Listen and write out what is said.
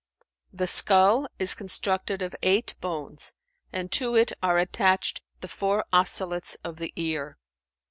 The skull is constructed of eight bones, and to it are attached the four osselets of the ear.